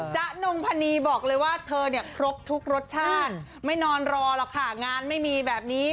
นงพนีบอกเลยว่าเธอเนี่ยครบทุกรสชาติไม่นอนรอหรอกค่ะงานไม่มีแบบนี้